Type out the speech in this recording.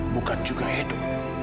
bukan juga edo